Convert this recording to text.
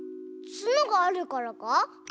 つのがあるからか？